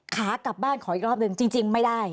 ขากลับบ้านขออีกรอบหนึ่งจริงไม่ได้